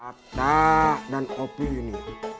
atta dan opi ini